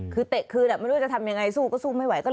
คือเตะคืนไม่รู้จะทำยังไงสู้ก็สู้ไม่ไหวก็เลย